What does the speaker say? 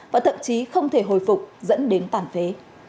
và thậm chí không thể hồi phục dẫn đến tàn phế